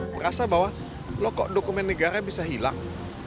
merasa bahwa loh kok dokumen negara bisa hilang